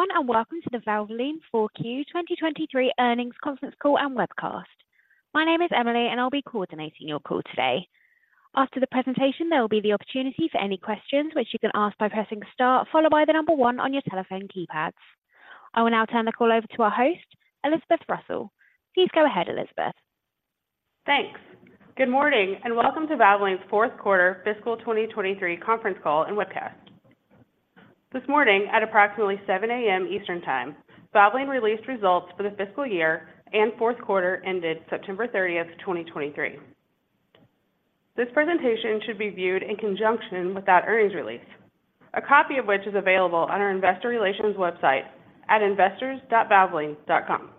Hello, everyone, and welcome to the Valvoline 4Q 2023 Earnings Conference Call and Webcast. My name is Emily, and I'll be coordinating your call today. After the presentation, there will be the opportunity for any questions, which you can ask by pressing Star, followed by the number 1 on your telephone keypads. I will now turn the call over to our host, Elizabeth Russell. Please go ahead, Elizabeth. Thanks. Good morning, and welcome to Valvoline's fourth quarter fiscal 2023 conference call and webcast. This morning, at approximately 7:00 A.M. Eastern Time, Valvoline released results for the fiscal year and fourth quarter ended September 30, 2023. This presentation should be viewed in conjunction with that earnings release, a copy of which is available on our investor relations website at investors.valvoline.com.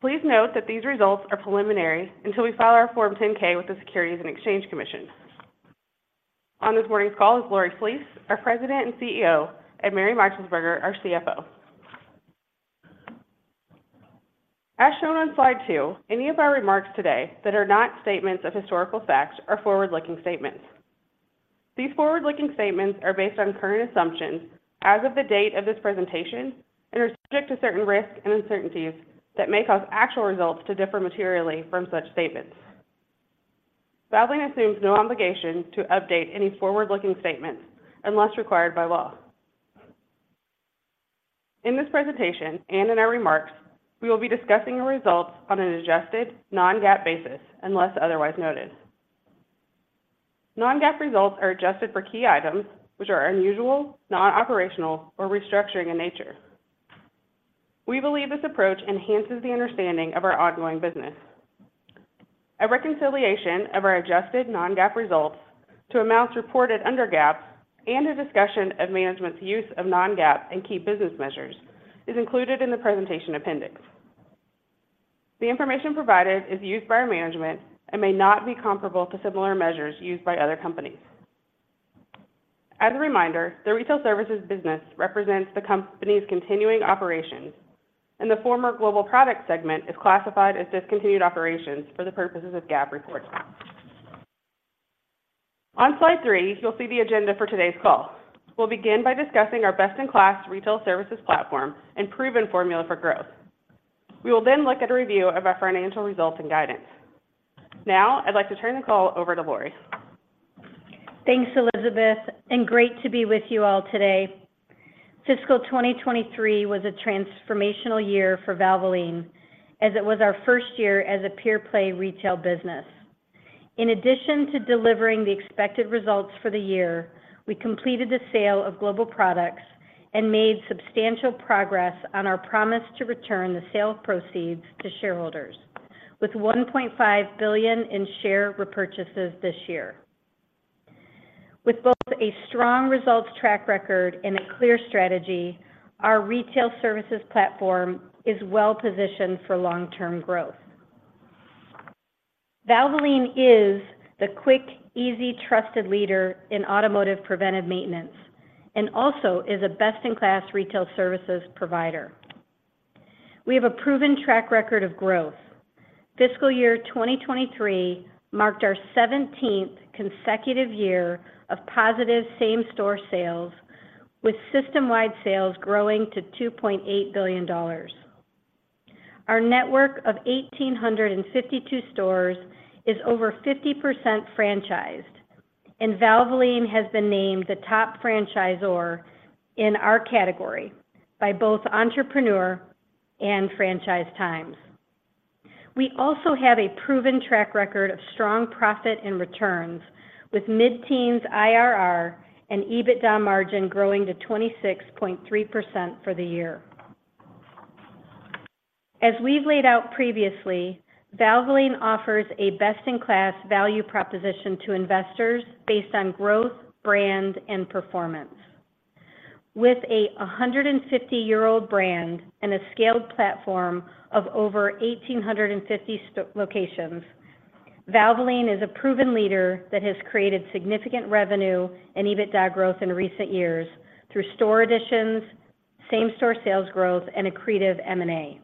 Please note that these results are preliminary until we file our Form 10-K with the Securities and Exchange Commission. On this morning's call is Lori Flees, our President and CEO, and Mary Meixelsperger, our CFO. As shown on slide 2, any of our remarks today that are not statements of historical fact are forward-looking statements. These forward-looking statements are based on current assumptions as of the date of this presentation and are subject to certain risks and uncertainties that may cause actual results to differ materially from such statements. Valvoline assumes no obligation to update any forward-looking statements unless required by law. In this presentation and in our remarks, we will be discussing the results on an adjusted non-GAAP basis, unless otherwise noted. Non-GAAP results are adjusted for key items which are unusual, non-operational, or restructuring in nature. We believe this approach enhances the understanding of our ongoing business. A reconciliation of our adjusted non-GAAP results to amounts reported under GAAP and a discussion of management's use of non-GAAP and key business measures is included in the presentation appendix. The information provided is used by our management and may not be comparable to similar measures used by other companies. As a reminder, the retail services business represents the company's continuing operations, and the former global product segment is classified as discontinued operations for the purposes of GAAP reporting. On slide 3, you'll see the agenda for today's call. We'll begin by discussing our best-in-class retail services platform and proven formula for growth. We will then look at a review of our financial results and guidance. Now, I'd like to turn the call over to Lori. Thanks, Elizabeth, and great to be with you all today. Fiscal 2023 was a transformational year for Valvoline, as it was our first year as a pure-play retail business. In addition to delivering the expected results for the year, we completed the sale of Global Products and made substantial progress on our promise to return the sale proceeds to shareholders, with $1.5 billion in share repurchases this year. With both a strong results track record and a clear strategy, our retail services platform is well positioned for long-term growth. Valvoline is the quick, easy, trusted leader in automotive preventive maintenance and also is a best-in-class retail services provider. We have a proven track record of growth. Fiscal year 2023 marked our 17th consecutive year of positive same-store sales, with system-wide sales growing to $2.8 billion. Our network of 1,852 stores is over 50% franchised, and Valvoline has been named the top franchisor in our category by both Entrepreneur and Franchise Times. We also have a proven track record of strong profit and returns, with mid-teens IRR and EBITDA margin growing to 26.3% for the year. As we've laid out previously, Valvoline offers a best-in-class value proposition to investors based on growth, brand, and performance. With a 150-year-old brand and a scaled platform of over 1,850 locations, Valvoline is a proven leader that has created significant revenue and EBITDA growth in recent years through store additions, same-store sales growth, and accretive M&A.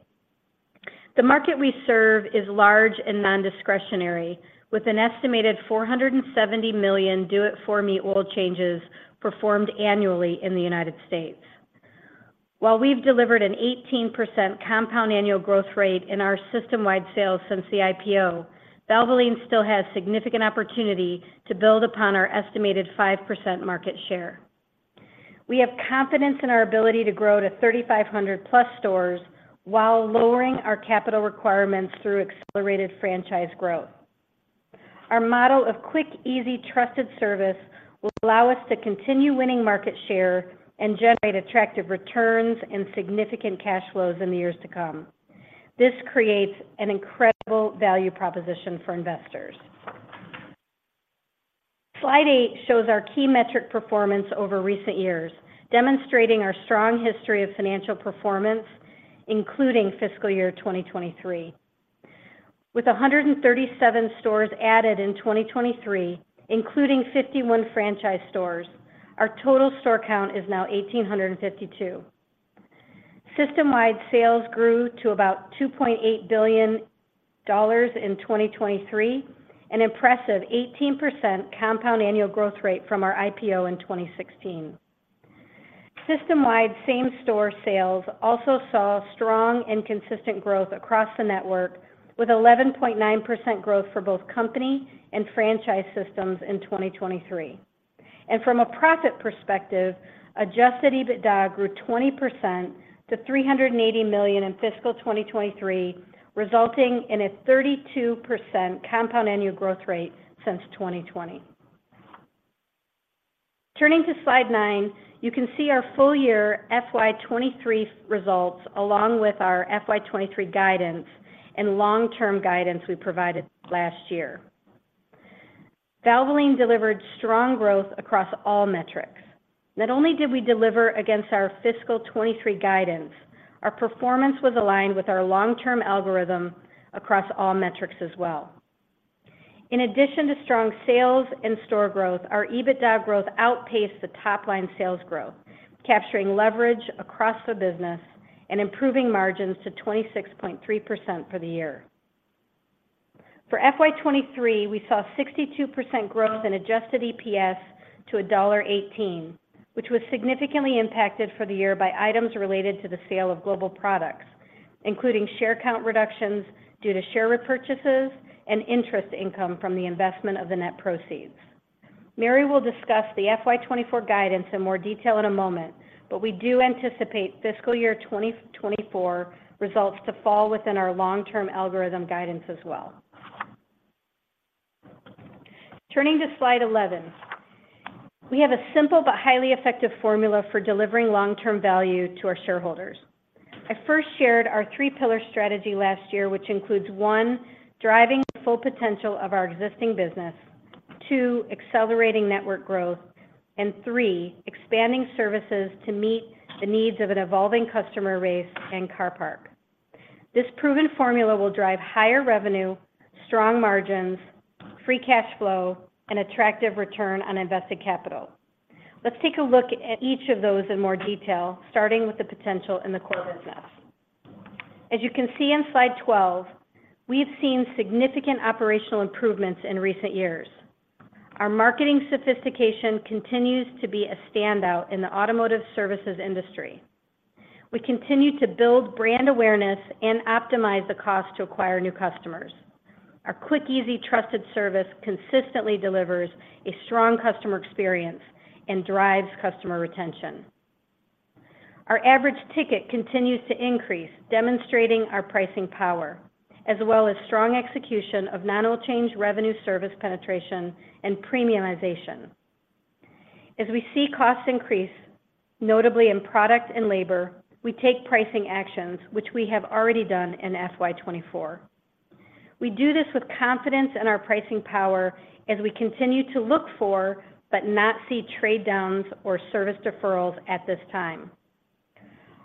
The market we serve is large and nondiscretionary, with an estimated 470 million do-it-for-me oil changes performed annually in the United States. While we've delivered an 18% compound annual growth rate in our system-wide sales since the IPO, Valvoline still has significant opportunity to build upon our estimated 5% market share. We have confidence in our ability to grow to 3,500+ stores while lowering our capital requirements through accelerated franchise growth. Our model of quick, easy, trusted service will allow us to continue winning market share and generate attractive returns and significant cash flows in the years to come. This creates an incredible value proposition for investors. Slide 8 shows our key metric performance over recent years, demonstrating our strong history of financial performance, including fiscal year 2023. With 137 stores added in 2023, including 51 franchise stores, our total store count is now 1,852. System-wide sales grew to about $2.8 billion in 2023, an impressive 18% compound annual growth rate from our IPO in 2016. System-wide same-store sales also saw strong and consistent growth across the network, with 11.9% growth for both company and franchise systems in 2023. From a profit perspective, Adjusted EBITDA grew 20% to $380 million in fiscal 2023, resulting in a 32% compound annual growth rate since 2020. Turning to slide 9, you can see our full year FY 2023 results, along with our FY 2023 guidance and long-term guidance we provided last year. Valvoline delivered strong growth across all metrics. Not only did we deliver against our fiscal 2023 guidance, our performance was aligned with our long-term algorithm across all metrics as well. In addition to strong sales and store growth, our EBITDA growth outpaced the top-line sales growth, capturing leverage across the business and improving margins to 26.3% for the year. For FY 2023, we saw 62% growth in adjusted EPS to $1.18, which was significantly impacted for the year by items related to the sale of global products, including share count reductions due to share repurchases and interest income from the investment of the net proceeds. Mary will discuss the FY 2024 guidance in more detail in a moment, but we do anticipate fiscal year 2024 results to fall within our long-term algorithm guidance as well. Turning to slide 11. We have a simple but highly effective formula for delivering long-term value to our shareholders. I first shared our three pillar strategy last year, which includes, 1, driving the full potential of our existing business, 2, accelerating network growth, and 3, expanding services to meet the needs of an evolving customer base and car parc. This proven formula will drive higher revenue, strong margins, free cash flow, and attractive return on invested capital. Let's take a look at each of those in more detail, starting with the potential in the core business. As you can see in slide 12, we've seen significant operational improvements in recent years. Our marketing sophistication continues to be a standout in the automotive services industry. We continue to build brand awareness and optimize the cost to acquire new customers. Our quick, easy, trusted service consistently delivers a strong customer experience and drives customer retention. Our average ticket continues to increase, demonstrating our pricing power, as well as strong execution of non-oil change revenue service penetration and premiumization. As we see costs increase, notably in product and labor, we take pricing actions, which we have already done in FY 2024. We do this with confidence in our pricing power as we continue to look for, but not see trade downs or service deferrals at this time.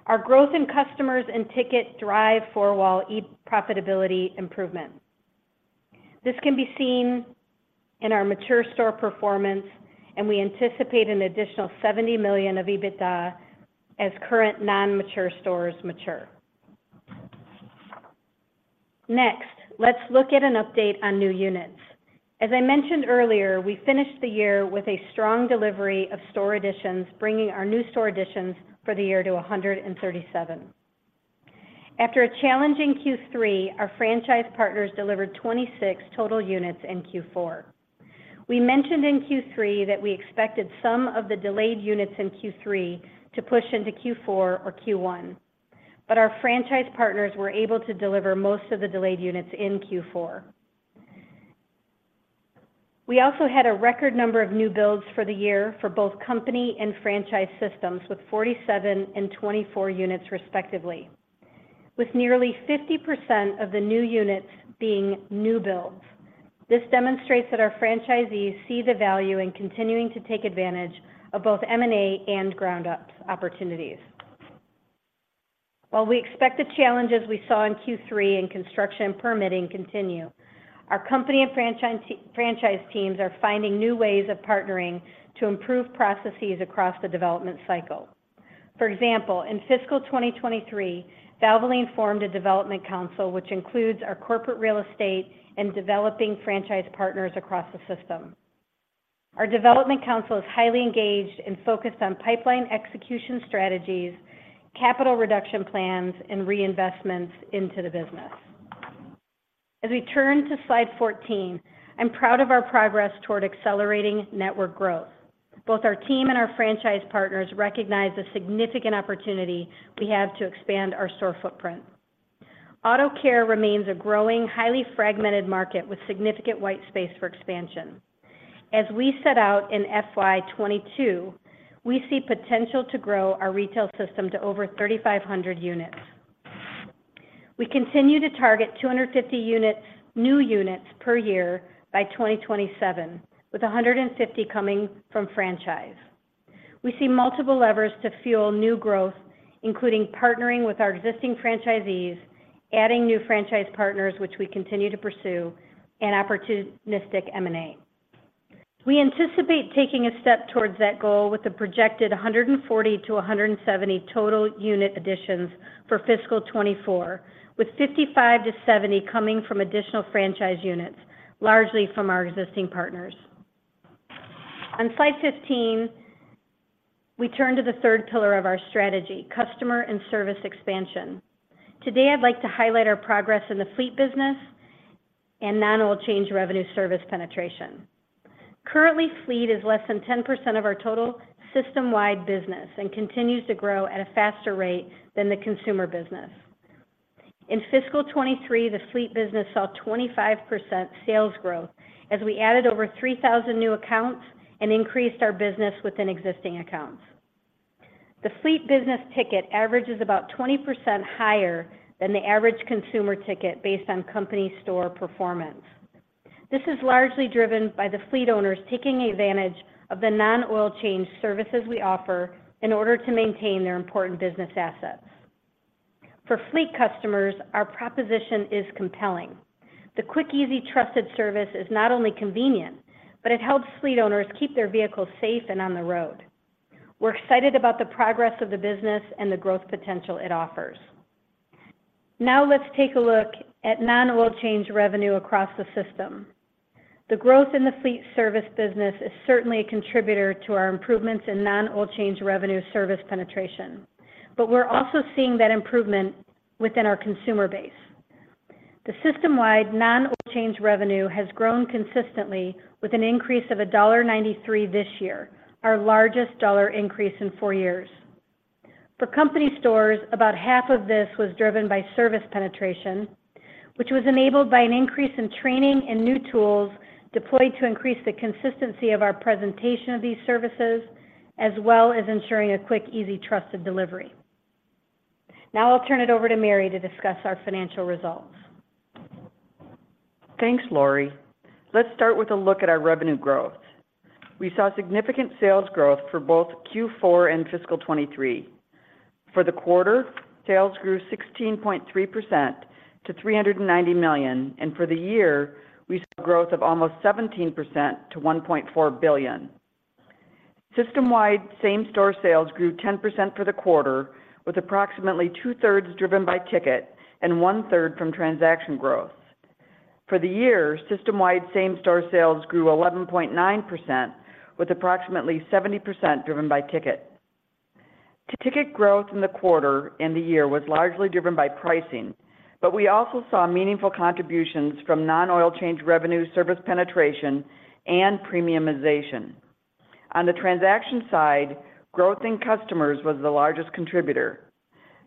Our growth in customers and ticket drive four-wall EBITDA profitability improvement. This can be seen in our mature store performance, and we anticipate an additional $70 million of EBITDA as current non-mature stores mature. Next, let's look at an update on new units. As I mentioned earlier, we finished the year with a strong delivery of store additions, bringing our new store additions for the year to 137. After a challenging Q3, our franchise partners delivered 26 total units in Q4. We mentioned in Q3 that we expected some of the delayed units in Q3 to push into Q4 or Q1, but our franchise partners were able to deliver most of the delayed units in Q4. We also had a record number of new builds for the year for both company and franchise systems, with 47 and 24 units respectively, with nearly 50% of the new units being new builds. This demonstrates that our franchisees see the value in continuing to take advantage of both M&A and ground up opportunities. While we expect the challenges we saw in Q3 and construction permitting continue, our company and franchise teams are finding new ways of partnering to improve processes across the development cycle. For example, in fiscal 2023, Valvoline formed a development council, which includes our corporate real estate and developing franchise partners across the system. Our development council is highly engaged and focused on pipeline execution strategies, capital reduction plans, and reinvestments into the business. As we turn to slide 14, I'm proud of our progress toward accelerating network growth. Both our team and our franchise partners recognize the significant opportunity we have to expand our store footprint. Auto care remains a growing, highly fragmented market with significant white space for expansion. As we set out in FY 2022, we see potential to grow our retail system to over 3,500 units. We continue to target 250 units, new units per year by 2027, with 150 coming from franchise. We see multiple levers to fuel new growth, including partnering with our existing franchisees, adding new franchise partners, which we continue to pursue, and opportunistic M&A. We anticipate taking a step towards that goal with a projected 140-170 total unit additions for fiscal 2024, with 55-70 coming from additional franchise units, largely from our existing partners. On slide 15, we turn to the third pillar of our strategy, customer and service expansion. Today, I'd like to highlight our progress in the fleet business and non-oil change revenue service penetration. Currently, fleet is less than 10% of our total system-wide business and continues to grow at a faster rate than the consumer business. In fiscal 2023, the fleet business saw 25% sales growth as we added over 3,000 new accounts and increased our business within existing accounts. The fleet business ticket average is about 20% higher than the average consumer ticket based on company store performance. This is largely driven by the fleet owners taking advantage of the non-oil change services we offer in order to maintain their important business assets. For fleet customers, our proposition is compelling. The quick, easy, trusted service is not only convenient, but it helps fleet owners keep their vehicles safe and on the road. We're excited about the progress of the business and the growth potential it offers. Now, let's take a look at non-oil change revenue across the system. The growth in the fleet service business is certainly a contributor to our improvements in non-oil change revenue service penetration, but we're also seeing that improvement within our consumer base. The system-wide non-oil change revenue has grown consistently with an increase of $1.93 this year, our largest dollar increase in four years. For company stores, about half of this was driven by service penetration, which was enabled by an increase in training and new tools deployed to increase the consistency of our presentation of these services, as well as ensuring a quick, easy, trusted delivery. Now, I'll turn it over to Mary to discuss our financial results. Thanks, Lori. Let's start with a look at our revenue growth. We saw significant sales growth for both Q4 and fiscal 2023. For the quarter, sales grew 16.3% to $390 million, and for the year, we saw growth of almost 17% to $1.4 billion. System-wide same-store sales grew 10% for the quarter, with approximately two-thirds driven by ticket and one-third from transaction growth. For the year, system-wide same-store sales grew 11.9%, with approximately 70% driven by ticket. Ticket growth in the quarter and the year was largely driven by pricing, but we also saw meaningful contributions from non-oil change revenue, service penetration, and premiumization. On the transaction side, growth in customers was the largest contributor.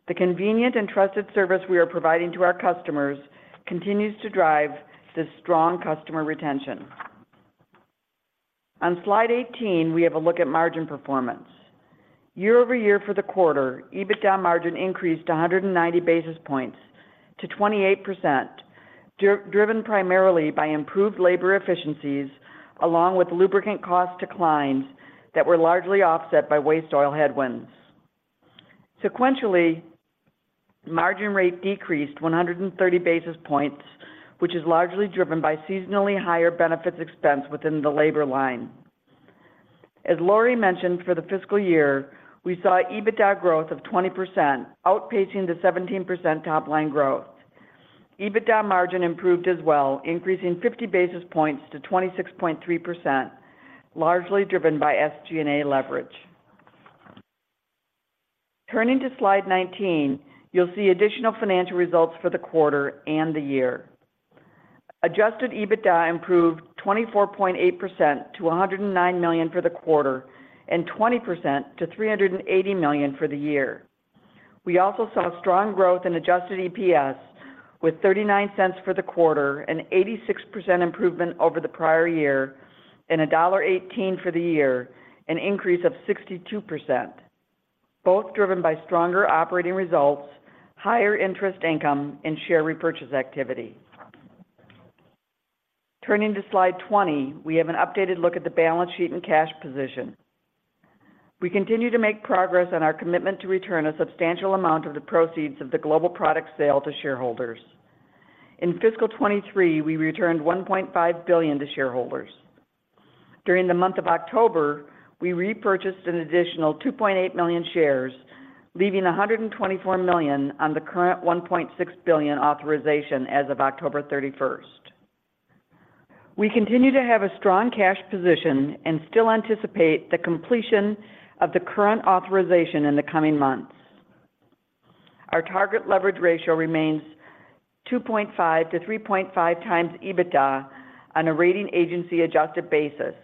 The convenient and trusted service we are providing to our customers continues to drive this strong customer retention. On Slide 18, we have a look at margin performance. Year-over-year for the quarter, EBITDA margin increased to 190 basis points to 28%, driven primarily by improved labor efficiencies, along with lubricant cost declines that were largely offset by waste oil headwinds. Sequentially, margin rate decreased 130 basis points, which is largely driven by seasonally higher benefits expense within the labor line. As Lori mentioned, for the fiscal year, we saw EBITDA growth of 20%, outpacing the 17% top-line growth. EBITDA margin improved as well, increasing 50 basis points to 26.3%, largely driven by SG&A leverage. Turning to Slide 19, you'll see additional financial results for the quarter and the year. Adjusted EBITDA improved 24.8% to $109 million for the quarter and 20% to $380 million for the year. We also saw strong growth in adjusted EPS with $0.39 for the quarter, an 86% improvement over the prior year, and $1.18 for the year, an increase of 62%, both driven by stronger operating results, higher interest income, and share repurchase activity. Turning to Slide 20, we have an updated look at the balance sheet and cash position. We continue to make progress on our commitment to return a substantial amount of the proceeds of the global product sale to shareholders. In fiscal 2023, we returned $1.5 billion to shareholders. During the month of October, we repurchased an additional 2.8 million shares, leaving 124 million on the current 1.6 billion authorization as of October 31st. We continue to have a strong cash position and still anticipate the completion of the current authorization in the coming months. Our target leverage ratio remains 2.5-3.5x EBITDA on a rating agency adjusted basis,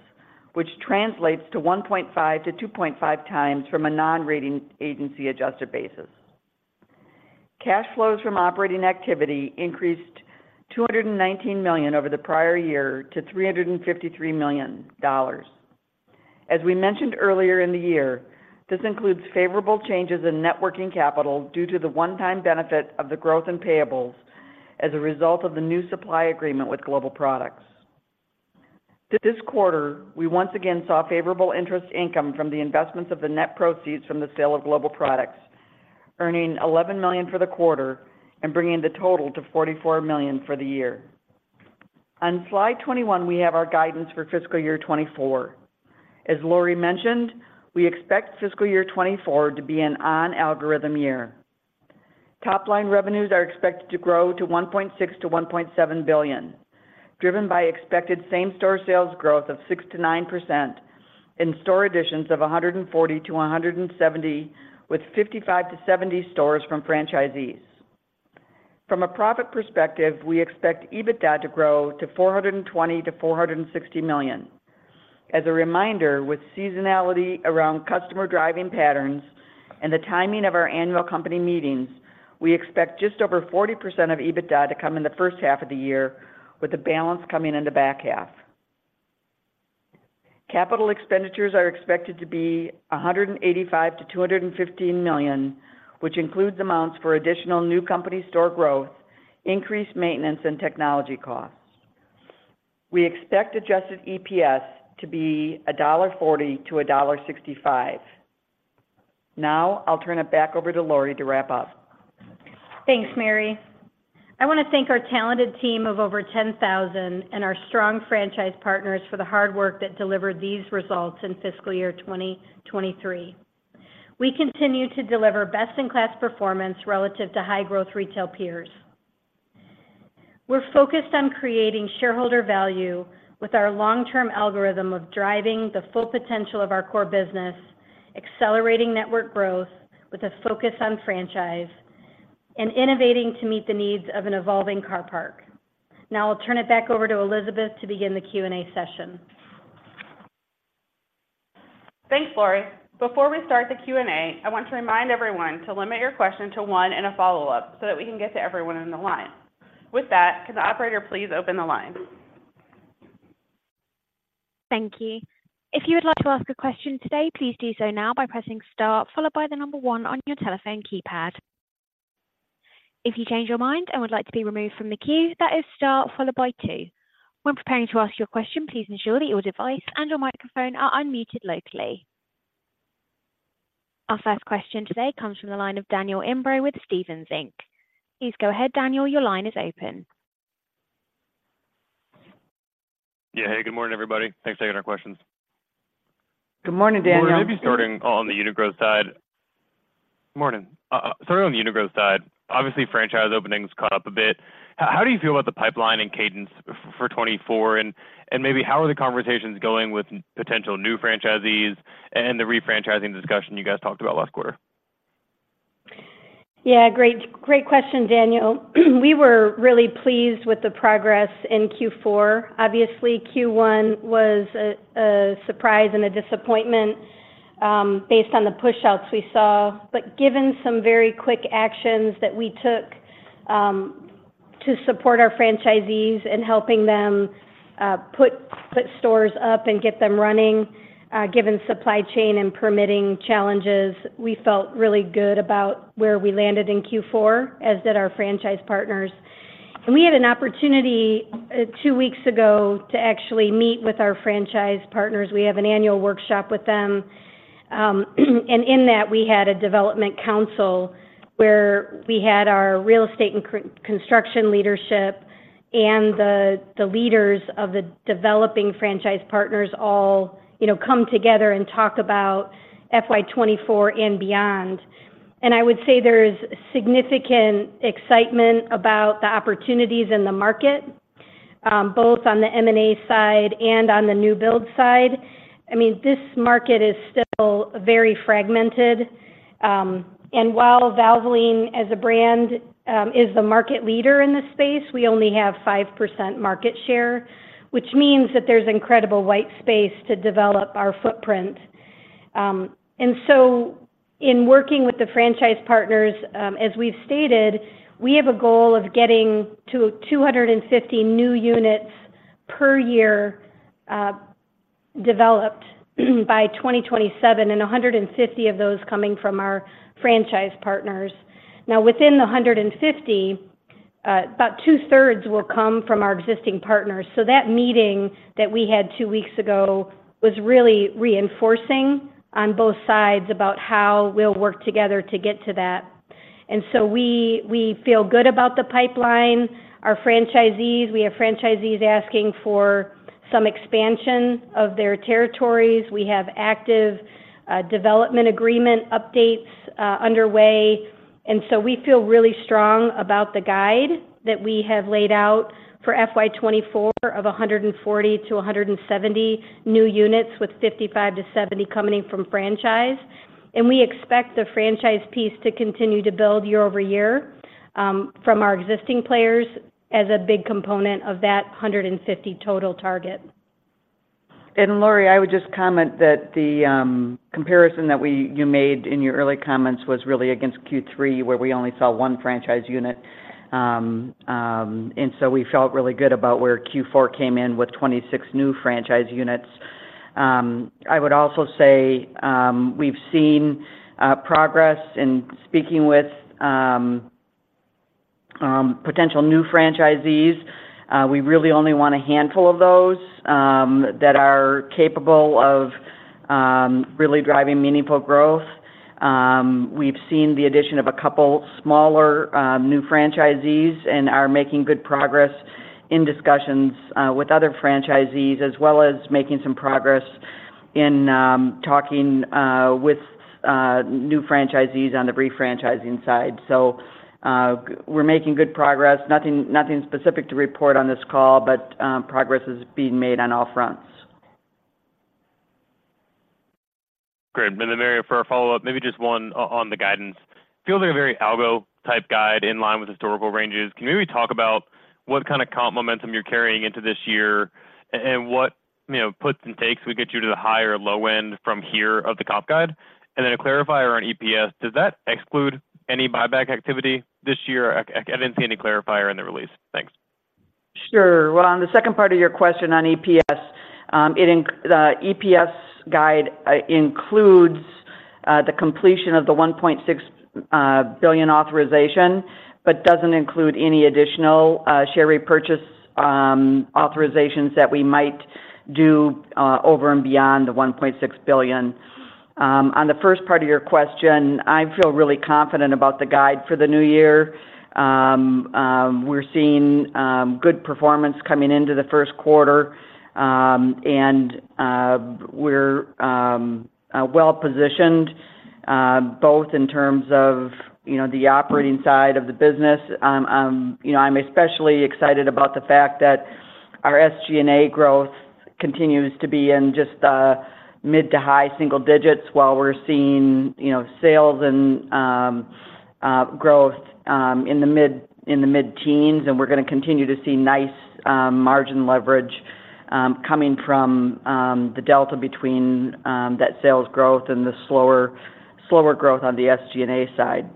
which translates to 1.5-2.5x from a non-rating agency adjusted basis. Cash flows from operating activity increased $219 million over the prior year to $353 million. As we mentioned earlier in the year, this includes favorable changes in net working capital due to the one-time benefit of the growth in payables as a result of the new supply agreement with Global Products. This quarter, we once again saw favorable interest income from the investments of the net proceeds from the sale of Global Products, earning $11 million for the quarter and bringing the total to $44 million for the year. On slide 21, we have our guidance for fiscal year 2024. As Lori mentioned, we expect fiscal year 2024 to be an on-algorithm year. Top-line revenues are expected to grow to $1.6 billion-$1.7 billion, driven by expected same-store sales growth of 6%-9%, and store additions of 140-170, with 55-70 stores from franchisees. From a profit perspective, we expect EBITDA to grow to $420 million-$460 million. As a reminder, with seasonality around customer driving patterns and the timing of our annual company meetings, we expect just over 40% of EBITDA to come in the first half of the year, with the balance coming in the back half. Capital expenditures are expected to be $185 million-$215 million, which includes amounts for additional new company store growth, increased maintenance, and technology costs. We expect adjusted EPS to be $1.40-$1.65. Now, I'll turn it back over to Lori to wrap up. Thanks, Mary. I want to thank our talented team of over 10,000 and our strong franchise partners for the hard work that delivered these results in fiscal year 2023. We continue to deliver best-in-class performance relative to high-growth retail peers. We're focused on creating shareholder value with our long-term algorithm of driving the full potential of our core business, accelerating network growth with a focus on franchise, and innovating to meet the needs of an evolving car parc. Now, I'll turn it back over to Elizabeth to begin the Q&A session. Thanks, Lori. Before we start the Q&A, I want to remind everyone to limit your question to one and a follow-up, so that we can get to everyone in the line. With that, can the operator please open the line? Thank you. If you would like to ask a question today, please do so now by pressing star, followed by the number one on your telephone keypad. If you change your mind and would like to be removed from the queue, that is star followed by two. When preparing to ask your question, please ensure that your device and your microphone are unmuted locally. Our first question today comes from the line of Daniel Imbro with Stephens Inc. Please go ahead, Daniel, your line is open. Yeah. Hey, good morning, everybody. Thanks for taking our questions. Good morning, Daniel. Maybe starting on the unit growth side... Morning. Starting on the unit growth side, obviously, franchise openings caught up a bit. How do you feel about the pipeline and cadence for 2024? And maybe how are the conversations going with potential new franchisees and the refranchising discussion you guys talked about last quarter? Yeah, great, great question, Daniel. We were really pleased with the progress in Q4. Obviously, Q1 was a surprise and a disappointment based on the pushouts we saw. But given some very quick actions that we took to support our franchisees in helping them put stores up and get them running given supply chain and permitting challenges, we felt really good about where we landed in Q4, as did our franchise partners. And we had an opportunity two weeks ago to actually meet with our franchise partners. We have an annual workshop with them. And in that, we had a development council where we had our real estate and construction leadership and the leaders of the developing franchise partners all, you know, come together and talk about FY 2024 and beyond. I would say there's significant excitement about the opportunities in the market, both on the M&A side and on the new build side. I mean, this market is still very fragmented. And while Valvoline, as a brand, is the market leader in this space, we only have 5% market share, which means that there's incredible white space to develop our footprint. And so in working with the franchise partners, as we've stated, we have a goal of getting to 250 new units per year, developed by 2027, and 150 of those coming from our franchise partners. Now, within the 150, about two-thirds will come from our existing partners. So that meeting that we had two weeks ago was really reinforcing on both sides about how we'll work together to get to that. We feel good about the pipeline. Our franchisees, we have franchisees asking for some expansion of their territories. We have active development agreement updates underway. We feel really strong about the guide that we have laid out for FY 2024 of 140-170 new units, with 55-70 coming in from franchise. We expect the franchise piece to continue to build year-over-year from our existing players as a big component of that 150 total target. Lori, I would just comment that the comparison that you made in your early comments was really against Q3, where we only saw one franchise unit. And so we felt really good about where Q4 came in with 26 new franchise units. I would also say, we've seen progress in speaking with potential new franchisees. We really only want a handful of those that are capable of really driving meaningful growth. We've seen the addition of a couple smaller new franchisees and are making good progress in discussions with other franchisees, as well as making some progress in talking with new franchisees on the refranchising side. So, we're making good progress. Nothing specific to report on this call, but progress is being made on all fronts. Great! And then, Mary, for a follow-up, maybe just one on the guidance. Feels like a very algo type guide in line with historical ranges. Can you maybe talk about what kind of comp momentum you're carrying into this year, and what, you know, puts and takes we get you to the high or low end from here of the comp guide? And then to clarify on EPS, does that exclude any buyback activity this year? I didn't see any clarifier in the release. Thanks. Sure. Well, on the second part of your question on EPS, the EPS guide includes the completion of the $1.6 billion authorization, but doesn't include any additional share repurchase authorizations that we might do over and beyond the $1.6 billion. On the first part of your question, I feel really confident about the guide for the new year. We're seeing good performance coming into the first quarter, and we're well positioned both in terms of, you know, the operating side of the business. You know, I'm especially excited about the fact that our SG&A growth continues to be in just mid- to high-single digits, while we're seeing, you know, sales and growth in the mid-teens. We're gonna continue to see nice, margin leverage, coming from, the delta between, that sales growth and the slower, slower growth on the SG&A side.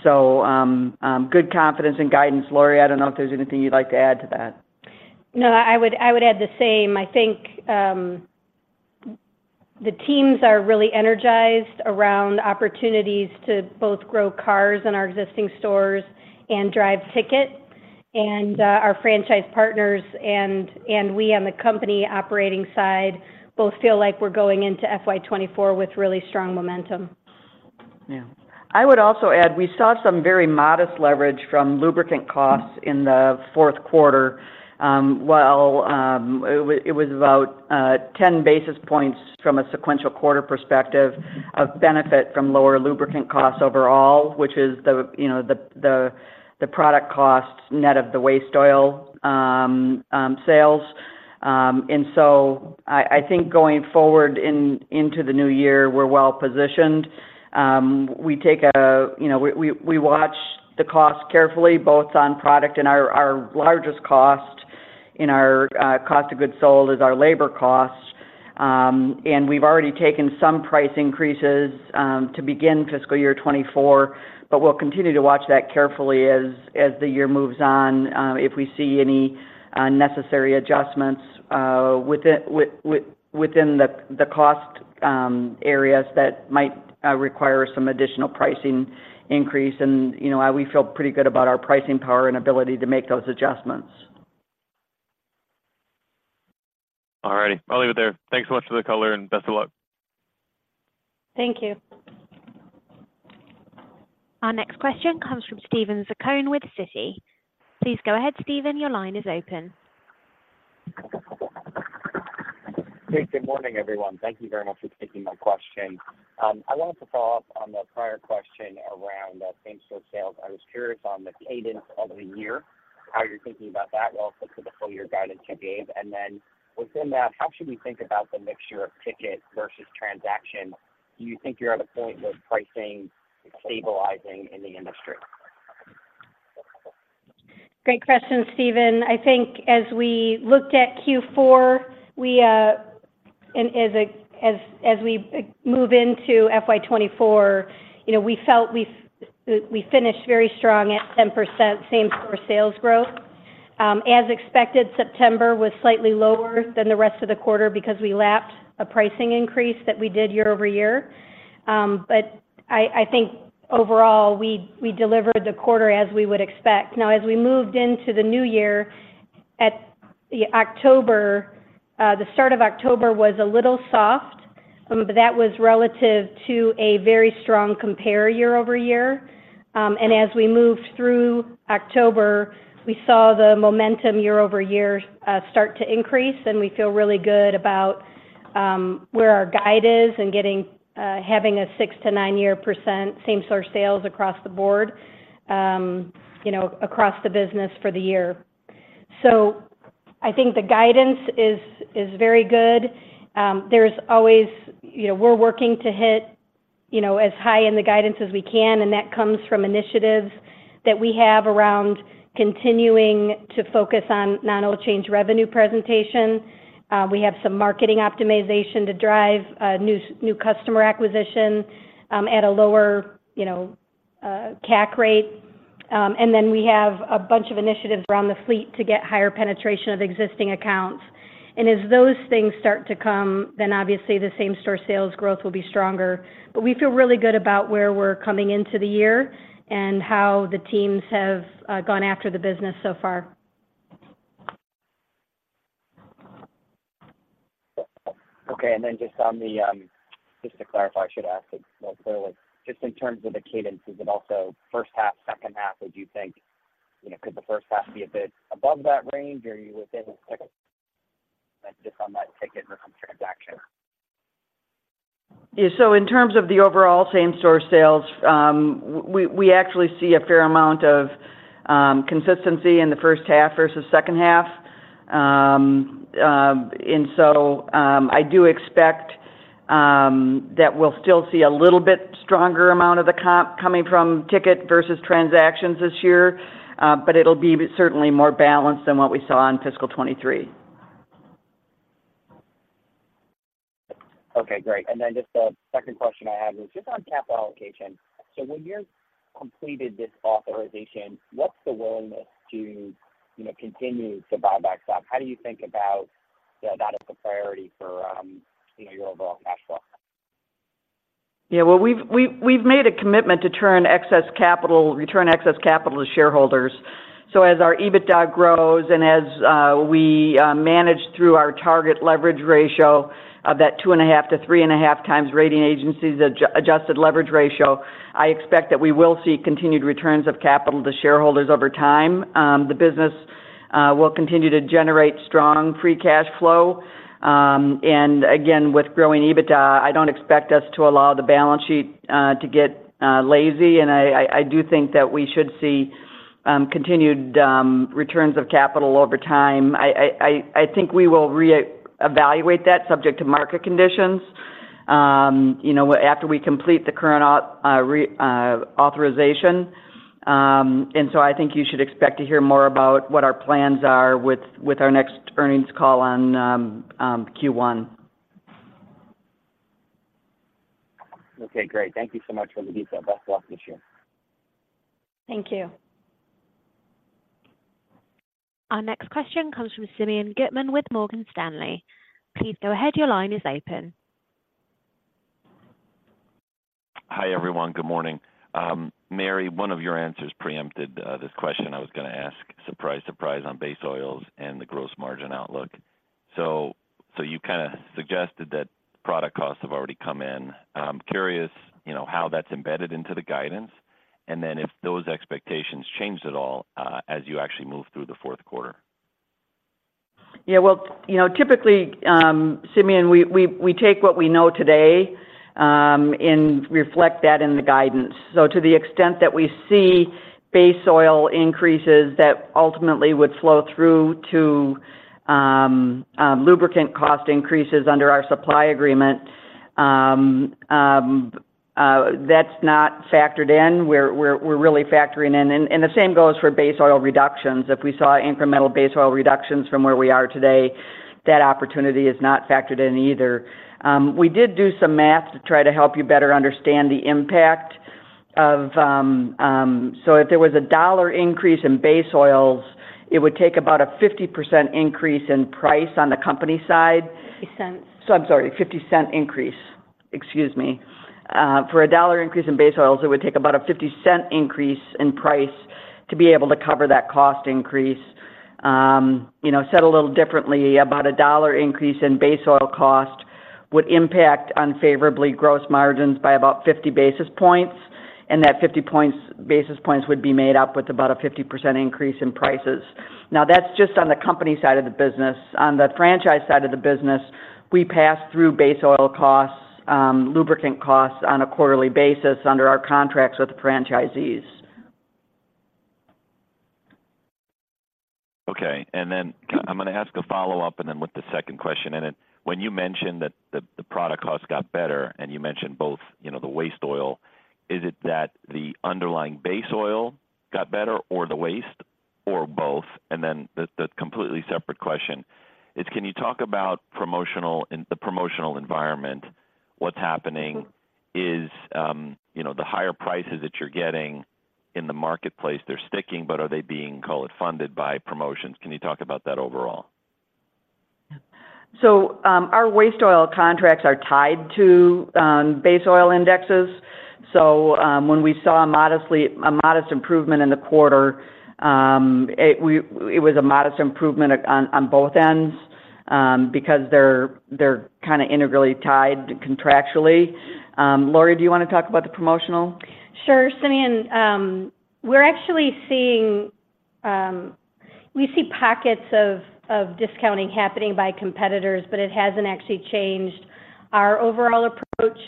Good confidence and guidance. Lori, I don't know if there's anything you'd like to add to that. No, I would, I would add the same. I think, the teams are really energized around opportunities to both grow cars in our existing stores and drive ticket. And, our franchise partners and, and we on the company operating side, both feel like we're going into FY 2024 with really strong momentum. Yeah. I would also add, we saw some very modest leverage from lubricant costs in the fourth quarter, while it was about 10 basis points from a sequential quarter perspective of benefit from lower lubricant costs overall, which is, you know, the product cost net of the waste oil sales. And so I think going forward into the new year, we're well positioned. We take, you know, we watch the cost carefully, both on product and our largest cost in our cost of goods sold is our labor costs. We've already taken some price increases to begin fiscal year 2024, but we'll continue to watch that carefully as the year moves on, if we see any necessary adjustments within the cost areas that might require some additional pricing increase. And, you know, we feel pretty good about our pricing power and ability to make those adjustments. All righty. I'll leave it there. Thanks so much for the color, and best of luck. Thank you. Our next question comes from Steven Zaccone with Citi. Please go ahead, Steven, your line is open. Hey, good morning, everyone. Thank you very much for taking my question. I wanted to follow up on the prior question around same-store sales. I was curious on the cadence of the year, how you're thinking about that, well, also for the full year guidance you gave. And then within that, how should we think about the mixture of ticket versus transaction? Do you think you're at a point with pricing stabilizing in the industry? Great question, Steven. I think as we looked at Q4 and as we move into FY 2024, you know, we felt we finished very strong at 10% same-store sales growth. As expected, September was slightly lower than the rest of the quarter because we lapped a pricing increase that we did year-over-year. I think overall, we delivered the quarter as we would expect. Now, as we moved into the new year, the start of October was a little soft, but that was relative to a very strong compare year-over-year. As we moved through October, we saw the momentum year-over-year start to increase, and we feel really good about where our guide is and having a 6-9 year percent same-store sales across the board, you know, across the business for the year. I think the guidance is, is very good. There's always, you know, we're working to hit, you know, as high in the guidance as we can, and that comes from initiatives that we have around continuing to focus on non-oil change revenue penetration. We have some marketing optimization to drive new, new customer acquisition at a lower, you know, CAC rate. Then we have a bunch of initiatives around the fleet to get higher penetration of existing accounts. As those things start to come, then obviously the same-store sales growth will be stronger. But we feel really good about where we're coming into the year and how the teams have gone after the business so far. Okay. And then just on the, just to clarify, I should ask it more clearly. Just in terms of the cadence, is it also first half, second half, would you think, you know, could the first half be a bit above that range or are you within the second? Just on that ticket versus transaction. Yeah, so in terms of the overall same-store sales, we actually see a fair amount of consistency in the first half versus second half. And so, I do expect that we'll still see a little bit stronger amount of the comp coming from ticket versus transactions this year, but it'll be certainly more balanced than what we saw in fiscal 2023. Okay, great. And then just the second question I had was just on capital allocation. So when you've completed this authorization, what's the willingness to, you know, continue to buy back stock? How do you think about that as a priority for, you know, your overall cash flow? Yeah, well, we've made a commitment to return excess capital to shareholders. So as our EBITDA grows and as we manage through our target leverage ratio of 2.5-3.5x rating agencies adjusted leverage ratio, I expect that we will see continued returns of capital to shareholders over time. The business will continue to generate strong free cash flow. And again, with growing EBITDA, I don't expect us to allow the balance sheet to get lazy, and I do think that we should see continued returns of capital over time. I think we will re-evaluate that subject to market conditions, you know, after we complete the current authorization. And so I think you should expect to hear more about what our plans are with our next earnings call on Q1. Okay, great. Thank you so much for the detail. Best of luck this year. Thank you. Our next question comes from Simeon Gutman with Morgan Stanley. Please go ahead. Your line is open. Hi, everyone. Good morning. Mary, one of your answers preempted this question I was gonna ask, surprise, surprise, on base oils and the gross margin outlook. So, so you kinda suggested that product costs have already come in. I'm curious, you know, how that's embedded into the guidance, and then if those expectations changed at all, as you actually move through the fourth quarter. Yeah, well, you know, typically, Simeon, we take what we know today, and reflect that in the guidance. So to the extent that we see base oil increases, that ultimately would flow through to lubricant cost increases under our supply agreement, that's not factored in, we're really factoring in. And the same goes for base oil reductions. If we saw incremental base oil reductions from where we are today, that opportunity is not factored in either. We did do some math to try to help you better understand the impact of... So if there was a $1 increase in base oils, it would take about a 50% increase in price on the company side. $0.50 So I'm sorry, $0.50 increase. Excuse me. For a $1 increase in base oils, it would take about a $0.50 increase in price to be able to cover that cost increase. You know, said a little differently, about a $1 increase in base oil cost would impact unfavorably gross margins by about 50 basis points, and that 50 points, basis points would be made up with about a 50% increase in prices. Now, that's just on the company side of the business. On the franchise side of the business, we pass through base oil costs, lubricant costs on a quarterly basis under our contracts with the franchisees. Okay. And then I'm gonna ask a follow-up, and then with the second question in it. When you mentioned that the product costs got better, and you mentioned both, you know, the waste oil, is it that the underlying base oil got better or the waste, or both? And then the completely separate question is, can you talk about promotional and the promotional environment, what's happening? Is, you know, the higher prices that you're getting in the marketplace, they're sticking, but are they being, call it, funded by promotions? Can you talk about that overall? So, our waste oil contracts are tied to base oil indexes. So, when we saw a modest improvement in the quarter, it was a modest improvement on both ends, because they're kinda integrally tied contractually. Lori, do you want to talk about the promotional? Sure, Simeon. We're actually seeing, we see pockets of discounting happening by competitors, but it hasn't actually changed our overall approach.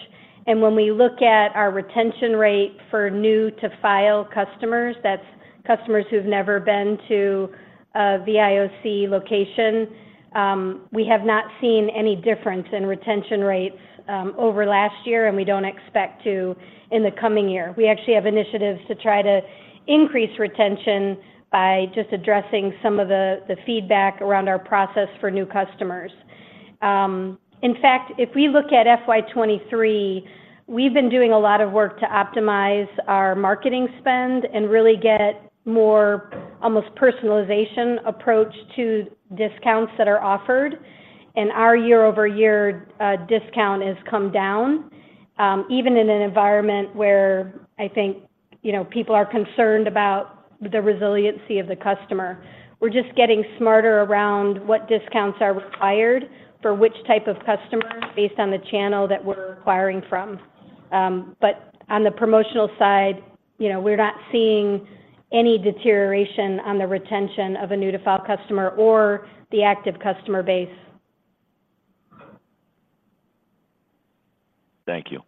When we look at our retention rate for new-to-file customers, that's customers who've never been to a VIOC location, we have not seen any difference in retention rates over last year, and we don't expect to in the coming year. We actually have initiatives to try to increase retention by just addressing some of the feedback around our process for new customers.... In fact, if we look at FY 2023, we've been doing a lot of work to optimize our marketing spend and really get more almost personalization approach to discounts that are offered. Our year-over-year discount has come down, even in an environment where I think, you know, people are concerned about the resiliency of the customer. We're just getting smarter around what discounts are required for which type of customer based on the channel that we're acquiring from. But on the promotional side, you know, we're not seeing any deterioration on the retention of a new-to-file customer or the active customer base. Thank you.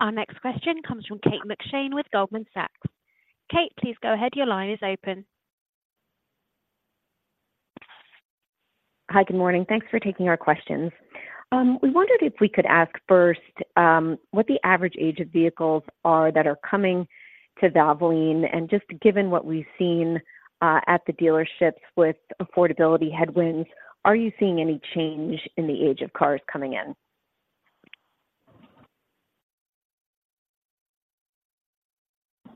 Our next question comes from Kate McShane with Goldman Sachs. Kate, please go ahead. Your line is open. Hi, good morning. Thanks for taking our questions. We wondered if we could ask first, what the average age of vehicles are that are coming to Valvoline, and just given what we've seen, at the dealerships with affordability headwinds, are you seeing any change in the age of cars coming in?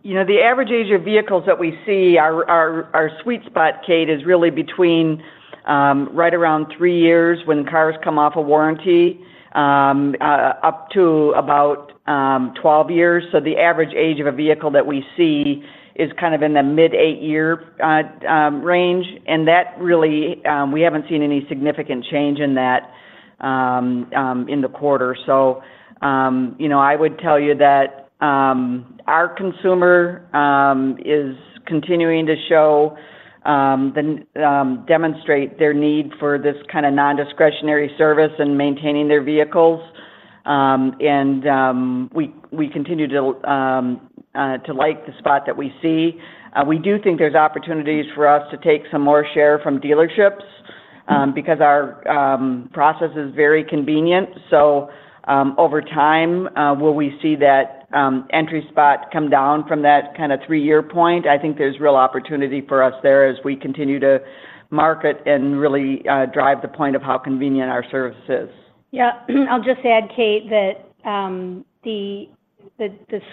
You know, the average age of vehicles that we see, our sweet spot, Kate, is really between right around three years when cars come off a warranty up to about 12 years. So the average age of a vehicle that we see is kind of in the mid-8-year range, and that really we haven't seen any significant change in that in the quarter. So you know, I would tell you that our consumer is continuing to show the demonstrate their need for this kinda non-discretionary service and maintaining their vehicles. And we continue to like the spot that we see. We do think there's opportunities for us to take some more share from dealerships because our process is very convenient. So, over time, will we see that entry spot come down from that kinda three-year point? I think there's real opportunity for us there as we continue to market and really drive the point of how convenient our service is. Yeah. I'll just add, Kate, that the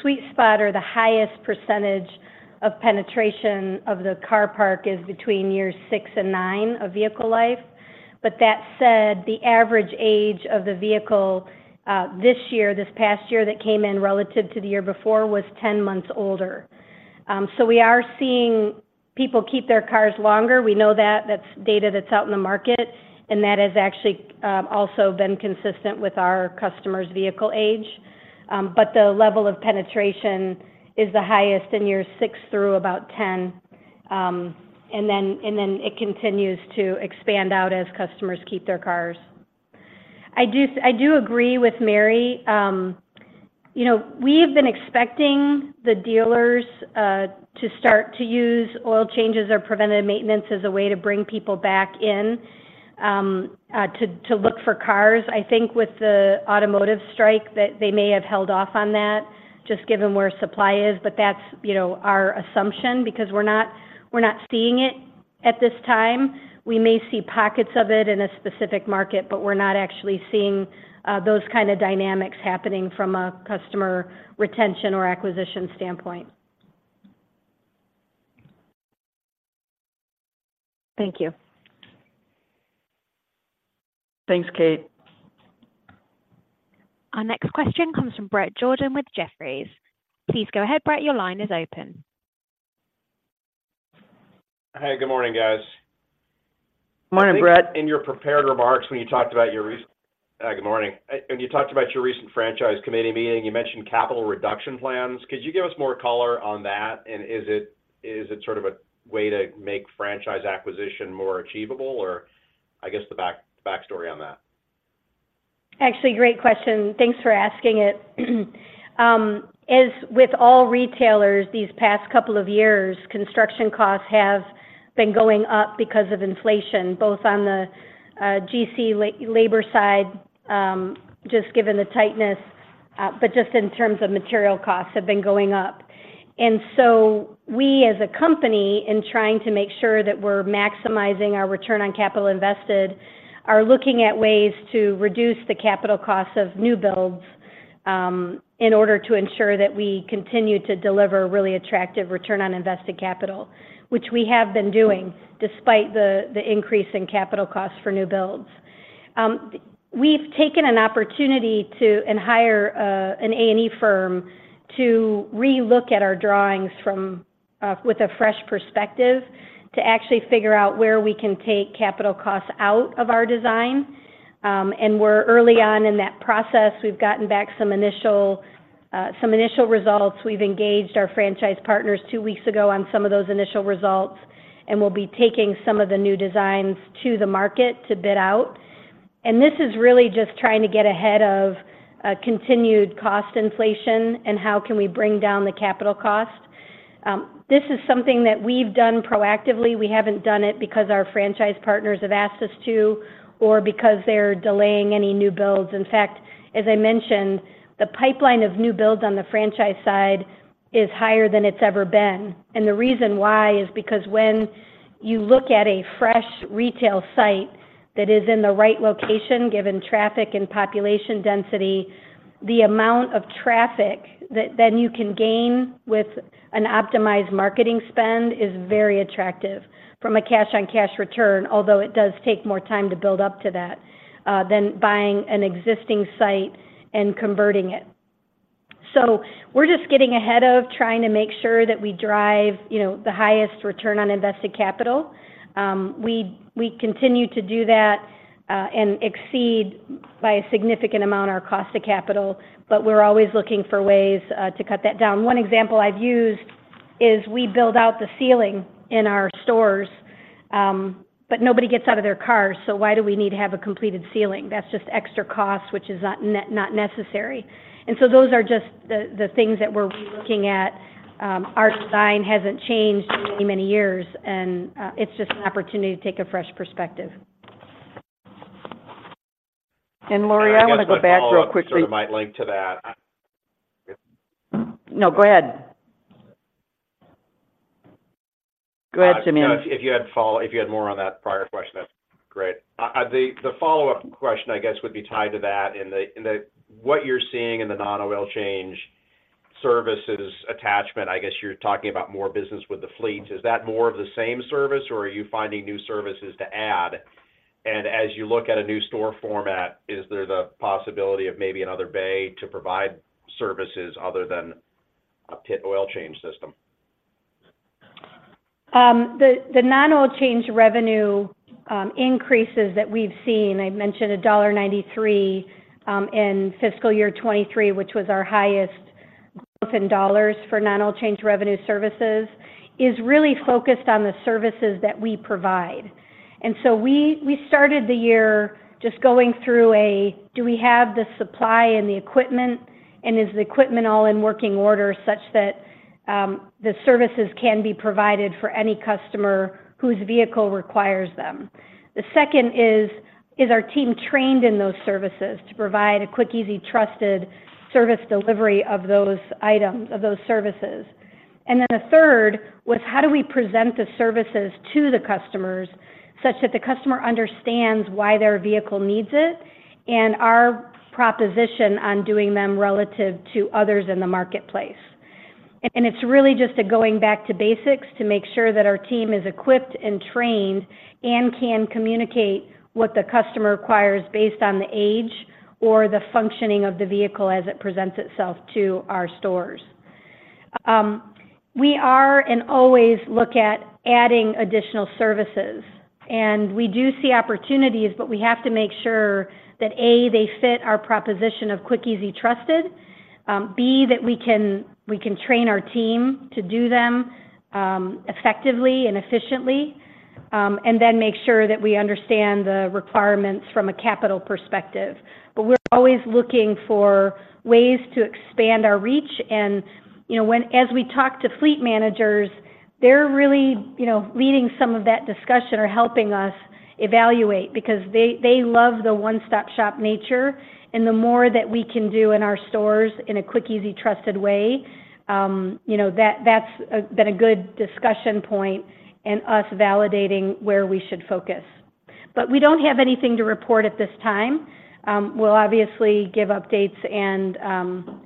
sweet spot or the highest percentage of penetration of the car parc is between years six and nine of vehicle life. But that said, the average age of the vehicle this year, this past year, that came in relative to the year before, was 10 months older. So we are seeing people keep their cars longer. We know that. That's data that's out in the market, and that has actually also been consistent with our customers' vehicle age. But the level of penetration is the highest in years six through about 10. And then it continues to expand out as customers keep their cars. I do agree with Mary. You know, we've been expecting the dealers to start to use oil changes or preventative maintenance as a way to bring people back in to look for cars. I think with the automotive strike, that they may have held off on that, just given where supply is, but that's, you know, our assumption, because we're not seeing it at this time. We may see pockets of it in a specific market, but we're not actually seeing those kinda dynamics happening from a customer retention or acquisition standpoint. Thank you. Thanks, Kate. Our next question comes from Bret Jordan with Jefferies. Please go ahead, Bret. Your line is open. Hey, good morning, guys. Morning, Brett. Good morning. In your prepared remarks, when you talked about your recent franchise committee meeting, you mentioned capital reduction plans. Could you give us more color on that? And is it sort of a way to make franchise acquisition more achievable, or, I guess, the back story on that? Actually, great question. Thanks for asking it. As with all retailers, these past couple of years, construction costs have been going up because of inflation, both on the GC labor side, just given the tightness, but just in terms of material costs have been going up. So we, as a company, in trying to make sure that we're maximizing our return on capital invested, are looking at ways to reduce the capital costs of new builds, in order to ensure that we continue to deliver really attractive return on invested capital. Which we have been doing, despite the increase in capital costs for new builds. We've taken an opportunity to hire an A&E firm to relook at our drawings from with a fresh perspective, to actually figure out where we can take capital costs out of our design. We're early on in that process. We've gotten back some initial, some initial results. We've engaged our franchise partners two weeks ago on some of those initial results, and we'll be taking some of the new designs to the market to bid out. This is really just trying to get ahead of, continued cost inflation and how can we bring down the capital cost. This is something that we've done proactively. We haven't done it because our franchise partners have asked us to, or because they're delaying any new builds. In fact, as I mentioned, the pipeline of new builds on the franchise side is higher than it's ever been. The reason why is because when you look at a fresh retail site... That is in the right location, given traffic and population density, the amount of traffic that then you can gain with an optimized marketing spend is very attractive from a cash-on-cash return, although it does take more time to build up to that than buying an existing site and converting it. So we're just getting ahead of trying to make sure that we drive, you know, the highest return on invested capital. We continue to do that and exceed, by a significant amount, our cost of capital, but we're always looking for ways to cut that down. One example I've used is we build out the ceiling in our stores, but nobody gets out of their cars, so why do we need to have a completed ceiling? That's just extra cost, which is not necessary. Those are just the things that we're looking at. Our design hasn't changed in many years, and it's just an opportunity to take a fresh perspective. And Lori, I want to go back real quickly. My follow-up sort of might link to that. No, go ahead. Go ahead, Jimmy. If you had more on that prior question, that's great. The follow-up question, I guess, would be tied to that, what you're seeing in the non-oil change services attachment, I guess, you're talking about more business with the fleet. Is that more of the same service, or are you finding new services to add? And as you look at a new store format, is there the possibility of maybe another bay to provide services other than a pit oil change system? The non-oil change revenue increases that we've seen, I mentioned $1.93 in fiscal year 2023, which was our highest growth in dollars for non-oil change revenue services, is really focused on the services that we provide. So we started the year just going through do we have the supply and the equipment, and is the equipment all in working order such that the services can be provided for any customer whose vehicle requires them? The second is our team trained in those services to provide a quick, easy, trusted service delivery of those items, of those services? Then the third was how do we present the services to the customers such that the customer understands why their vehicle needs it, and our proposition on doing them relative to others in the marketplace? It's really just a going back to basics to make sure that our team is equipped and trained, and can communicate what the customer requires based on the age or the functioning of the vehicle as it presents itself to our stores. We are and always look at adding additional services, and we do see opportunities, but we have to make sure that, A, they fit our proposition of quick, easy, trusted, B, that we can train our team to do them, effectively and efficiently, and then make sure that we understand the requirements from a capital perspective. But we're always looking for ways to expand our reach, and, you know, when, as we talk to fleet managers, they're really, you know, leading some of that discussion or helping us evaluate because they love the one-stop-shop nature, and the more that we can do in our stores in a quick, easy, trusted way, you know, that, that's been a good discussion point and us validating where we should focus. But we don't have anything to report at this time. We'll obviously give updates and,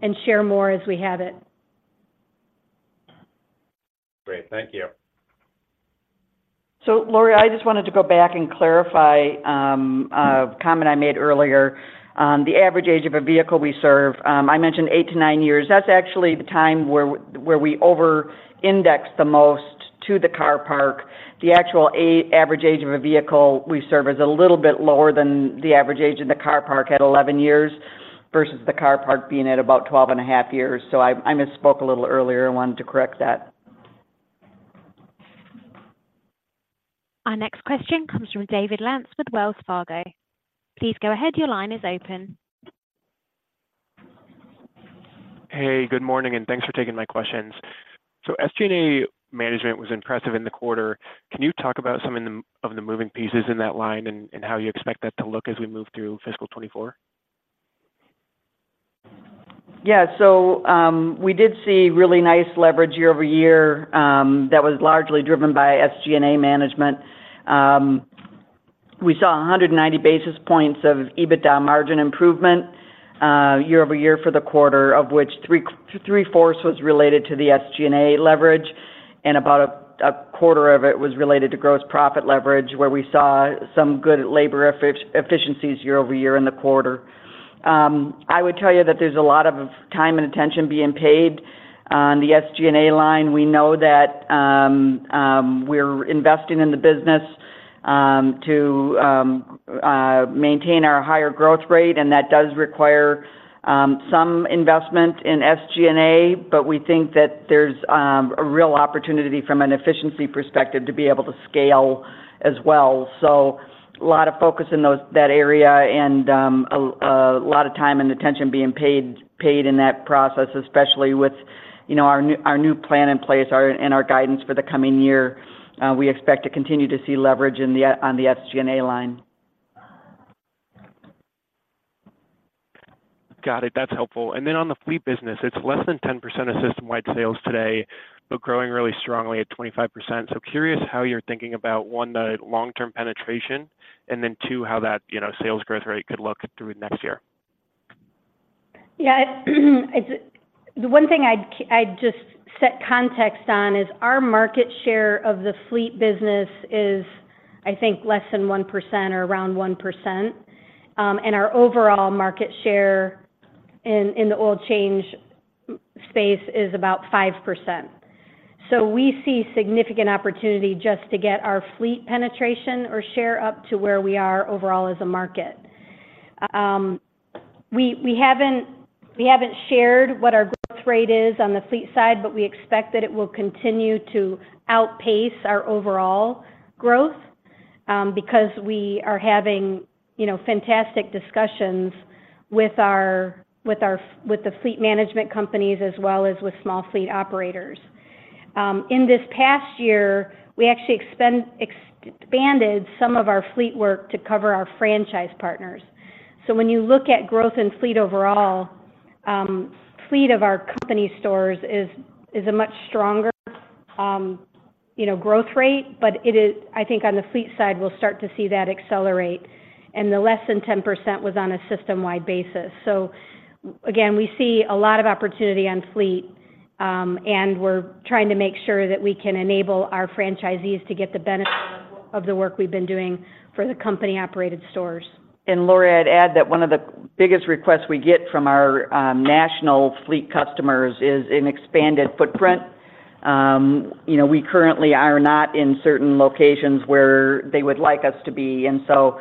and share more as we have it. Great. Thank you. So, Lori, I just wanted to go back and clarify a comment I made earlier on the average age of a vehicle we serve. I mentioned 8-9 years. That's actually the time where we over-index the most to the car parc. The actual average age of a vehicle we serve is a little bit lower than the average age of the car parc at 11 years, versus the car parc being at about 12.5 years. So I misspoke a little earlier. I wanted to correct that. Our next question comes from David Lantz with Wells Fargo. Please go ahead. Your line is open. Hey, good morning, and thanks for taking my questions. So SG&A management was impressive in the quarter. Can you talk about some of the moving pieces in that line and how you expect that to look as we move through fiscal 2024? Yeah. So, we did see really nice leverage year-over-year, that was largely driven by SG&A management. We saw 190 basis points of EBITDA margin improvement, year-over-year for the quarter, of which three-fourths was related to the SG&A leverage, and about a quarter of it was related to gross profit leverage, where we saw some good labor efficiencies year-over-year in the quarter. I would tell you that there's a lot of time and attention being paid on the SG&A line. We know that we're investing in the business to maintain our higher growth rate, and that does require some investment in SG&A, but we think that there's a real opportunity from an efficiency perspective to be able to scale as well. So a lot of focus in those, that area and a lot of time and attention being paid in that process, especially with, you know, our new plan in place, and our guidance for the coming year. We expect to continue to see leverage in the, on the SG&A line.... Got it. That's helpful. And then on the fleet business, it's less than 10% of system-wide sales today, but growing really strongly at 25%. So curious how you're thinking about, one, the long-term penetration, and then two, how that, you know, sales growth rate could look through next year? Yeah, the one thing I'd just set context on is our market share of the fleet business is, I think, less than 1% or around 1%, and our overall market share in the oil change space is about 5%. So we see significant opportunity just to get our fleet penetration or share up to where we are overall as a market. We haven't shared what our growth rate is on the fleet side, but we expect that it will continue to outpace our overall growth, because we are having, you know, fantastic discussions with the fleet management companies, as well as with small fleet operators. In this past year, we actually expanded some of our fleet work to cover our franchise partners. So when you look at growth in fleet overall, fleet of our company stores is a much stronger, you know, growth rate, but it is. I think on the fleet side, we'll start to see that accelerate, and the less than 10% was on a system-wide basis. So again, we see a lot of opportunity on fleet, and we're trying to make sure that we can enable our franchisees to get the benefit of the work we've been doing for the company-operated stores. And Lori, I'd add that one of the biggest requests we get from our national fleet customers is an expanded footprint. You know, we currently are not in certain locations where they would like us to be, and so,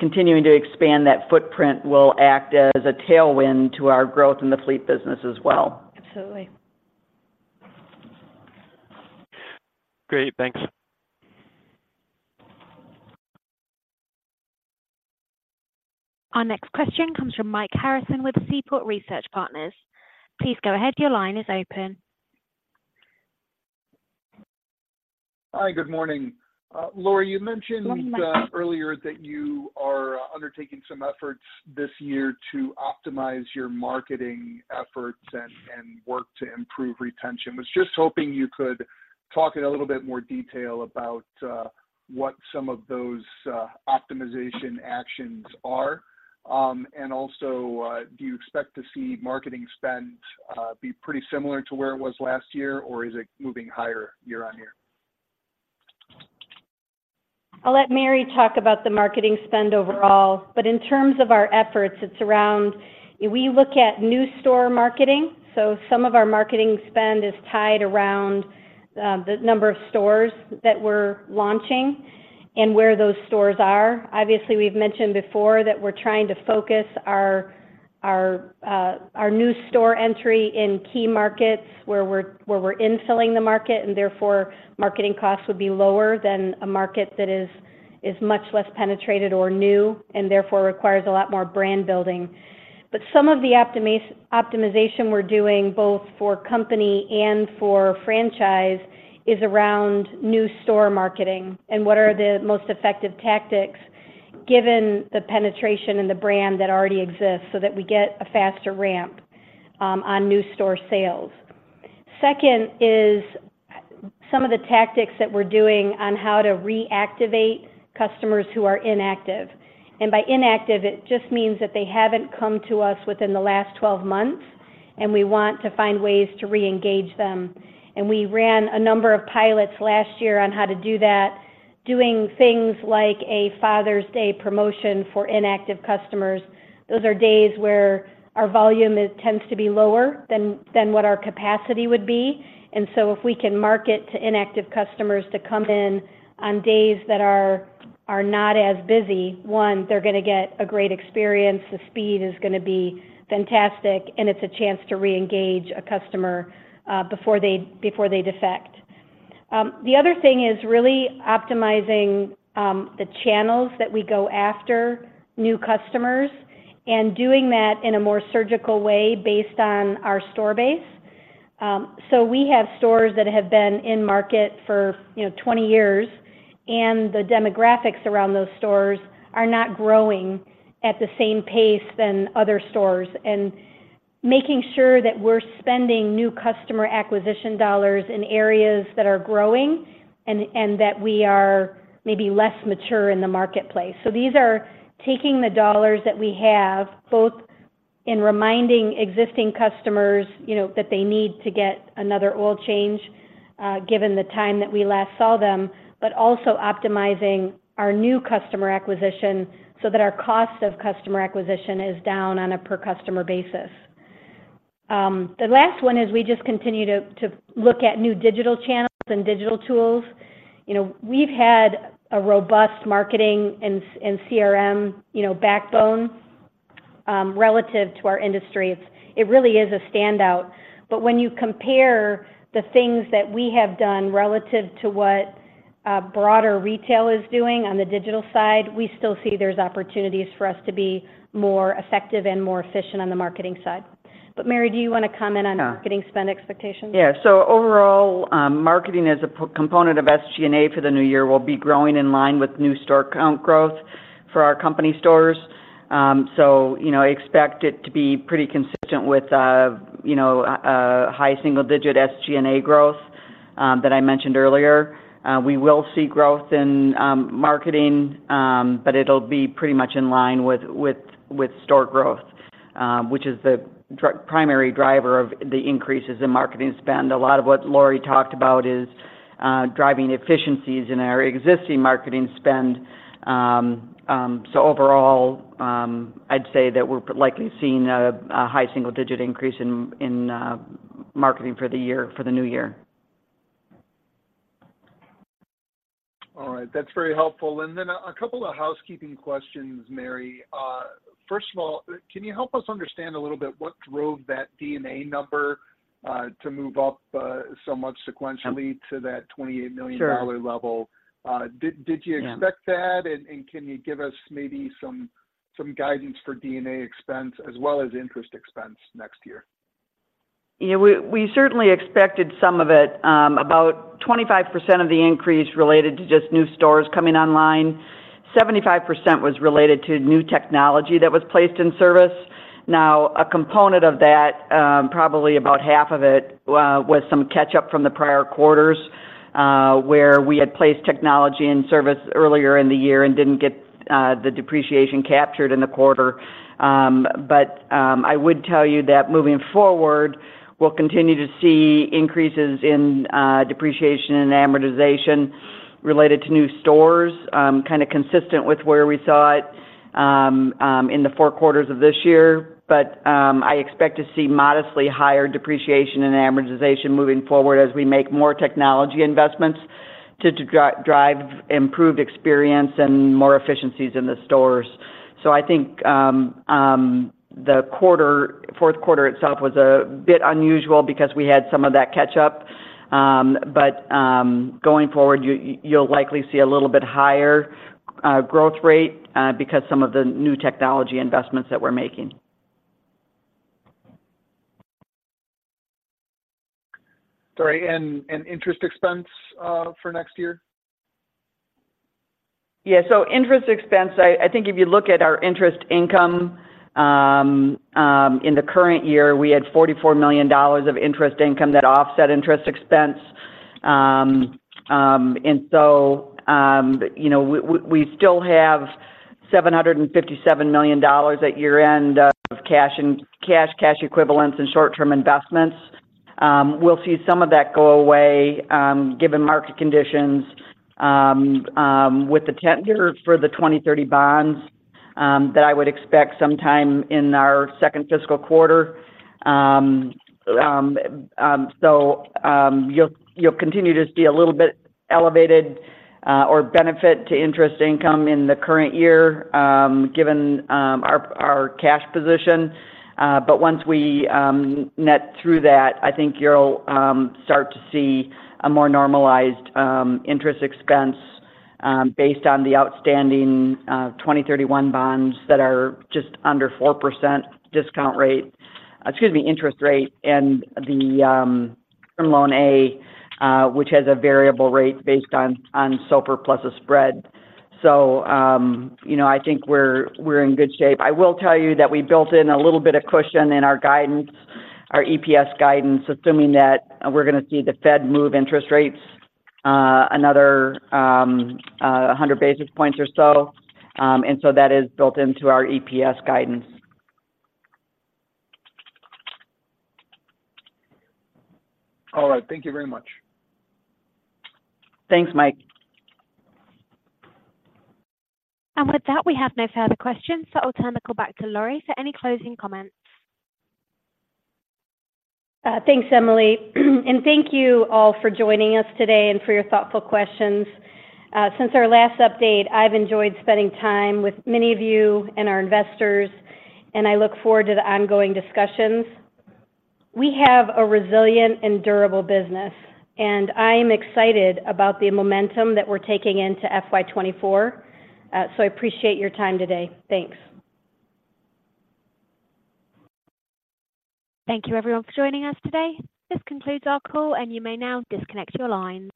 continuing to expand that footprint will act as a tailwind to our growth in the fleet business as well. Absolutely. Great. Thanks. Our next question comes from Mike Harrison with Seaport Research Partners. Please go ahead. Your line is open. Hi, good morning. Lori, you mentioned- Good morning, Mike. Earlier that you are undertaking some efforts this year to optimize your marketing efforts and work to improve retention. Was just hoping you could talk in a little bit more detail about what some of those optimization actions are. And also, do you expect to see marketing spend be pretty similar to where it was last year, or is it moving higher year-on-year? I'll let Mary talk about the marketing spend overall, but in terms of our efforts, it's around... We look at new store marketing, so some of our marketing spend is tied around the number of stores that we're launching and where those stores are. Obviously, we've mentioned before that we're trying to focus our new store entry in key markets where we're infilling the market, and therefore, marketing costs would be lower than a market that is much less penetrated or new, and therefore, requires a lot more brand building. But some of the optimization we're doing, both for company and for franchise, is around new store marketing and what are the most effective tactics, given the penetration in the brand that already exists, so that we get a faster ramp on new store sales. Second is, some of the tactics that we're doing on how to reactivate customers who are inactive. And by inactive, it just means that they haven't come to us within the last 12 months, and we want to find ways to reengage them. And we ran a number of pilots last year on how to do that, doing things like a Father's Day promotion for inactive customers. Those are days where our volume tends to be lower than what our capacity would be. And so if we can market to inactive customers to come in on days that are not as busy, one, they're gonna get a great experience, the speed is gonna be fantastic, and it's a chance to reengage a customer before they defect. The other thing is really optimizing the channels that we go after new customers and doing that in a more surgical way based on our store base. So we have stores that have been in market for, you know, 20 years, and the demographics around those stores are not growing at the same pace than other stores. And making sure that we're spending new customer acquisition dollars in areas that are growing and that we are maybe less mature in the marketplace. So these are taking the dollars that we have, both in reminding existing customers, you know, that they need to get another oil change given the time that we last saw them, but also optimizing our new customer acquisition so that our cost of customer acquisition is down on a per customer basis. The last one is we just continue to look at new digital channels and digital tools. You know, we've had a robust marketing and CRM, you know, backbone relative to our industry. It's, it really is a standout. But when you compare the things that we have done relative to what broader retail is doing on the digital side, we still see there's opportunities for us to be more effective and more efficient on the marketing side.... Mary, do you wanna comment on getting spend expectations? Yeah. So overall, marketing as a component of SG&A for the new year will be growing in line with new store count growth for our company stores. So, you know, I expect it to be pretty consistent with, you know, a high single digit SG&A growth, that I mentioned earlier. We will see growth in marketing, but it'll be pretty much in line with store growth, which is the primary driver of the increases in marketing spend. A lot of what Lori talked about is driving efficiencies in our existing marketing spend. So overall, I'd say that we're likely seeing a high single digit increase in marketing for the year, for the new year. All right. That's very helpful. And then a couple of housekeeping questions, Mary. First of all, can you help us understand a little bit what drove that D&A number to move up so much sequentially to that $28 million level? Sure. Did you expect that? Yeah. Can you give us maybe some guidance for D&A expense as well as interest expense next year? Yeah, we certainly expected some of it. About 25% of the increase related to just new stores coming online, 75% was related to new technology that was placed in service. Now, a component of that, probably about half of it, was some catch-up from the prior quarters, where we had placed technology in service earlier in the year and didn't get the depreciation captured in the quarter. But I would tell you that moving forward, we'll continue to see increases in depreciation and amortization related to new stores, kinda consistent with where we saw it in the four quarters of this year. But I expect to see modestly higher depreciation and amortization moving forward as we make more technology investments to drive improved experience and more efficiencies in the stores. I think the fourth quarter itself was a bit unusual because we had some of that catch up. Going forward, you'll likely see a little bit higher growth rate because some of the new technology investments that we're making. Sorry, and interest expense for next year? Yeah. So interest expense, I think if you look at our interest income in the current year, we had $44 million of interest income that offset interest expense. And so, you know, we still have $757 million at year-end of cash and cash equivalents and short-term investments. We'll see some of that go away given market conditions with the tender for the 2030 bonds that I would expect sometime in our second fiscal quarter. So, you'll continue to see a little bit elevated or benefit to interest income in the current year given our cash position. But once we net through that, I think you'll start to see a more normalized interest expense based on the outstanding 2031 bonds that are just under 4% discount rate, excuse me, interest rate, and the Loan A which has a variable rate based on SOFR plus a spread. So you know, I think we're in good shape. I will tell you that we built in a little bit of cushion in our guidance, our EPS guidance, assuming that we're gonna see the Fed move interest rates another 100 basis points or so. And so that is built into our EPS guidance. All right. Thank you very much. Thanks, Mike. With that, we have no further questions, so I'll turn the call back to Lori for any closing comments. Thanks, Emily, and thank you all for joining us today and for your thoughtful questions. Since our last update, I've enjoyed spending time with many of you and our investors, and I look forward to the ongoing discussions. We have a resilient and durable business, and I'm excited about the momentum that we're taking into FY 2024. So I appreciate your time today. Thanks. Thank you, everyone, for joining us today. This concludes our call, and you may now disconnect your lines.